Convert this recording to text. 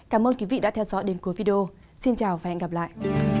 cảm ơn quý vị đã theo dõi đến cuối video xin chào và hẹn gặp lại